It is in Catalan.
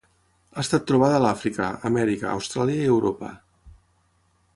Ha estat trobada a l'Àfrica, Amèrica, Austràlia i Europa.